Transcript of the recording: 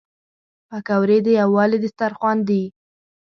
پکورې د یووالي دسترخوان دي